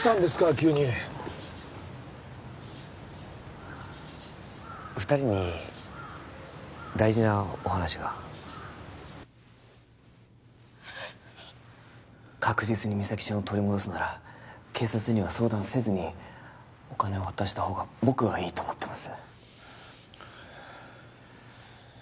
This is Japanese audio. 急に二人に大事なお話が確実に実咲ちゃんを取り戻すなら警察には相談せずにお金を渡したほうが僕はいいと思ってます